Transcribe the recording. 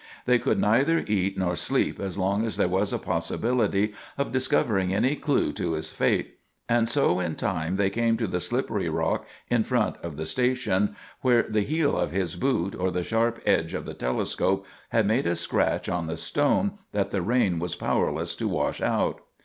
They could neither eat nor sleep as long as there was a possibility of discovering any clue to his fate; and so in time they came to the slippery rock in front of the station, where the heel of his boot or the sharp edge of the telescope had made a scratch on the stone that the rain was powerless to wash out.